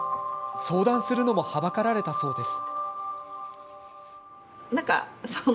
相談するのもはばかられたそうです。